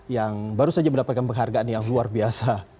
yang baru saja mendapatkan penghargaan yang luar biasa